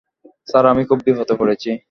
Sir আমি খুব বিপদে পড়েছি।